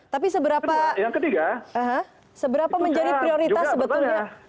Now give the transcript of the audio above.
tapi seberapa menjadi prioritas sebetulnya